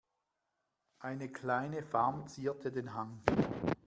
Eine kleine Farm zierte den Hang.